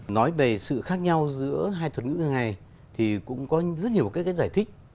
nói về sự khác nhau giữa hai thuật ngữ ngày hôm nay thì cũng có rất nhiều cái giải thích